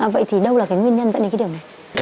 vậy thì đâu là cái nguyên nhân dẫn đến cái điều này